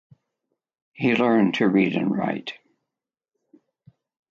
He learned to read and write.